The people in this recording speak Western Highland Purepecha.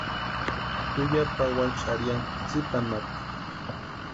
Ju ya pawani xarhiani tsipa anapu.